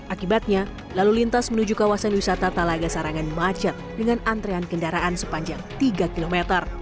akibatnya lalu lintas menuju kawasan wisata talaga sarangan macet dengan antrean kendaraan sepanjang tiga km